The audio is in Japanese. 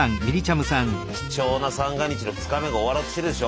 貴重な三が日の２日目が終わろうとしてるでしょ。